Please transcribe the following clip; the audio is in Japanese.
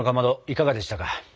いかがでしたか？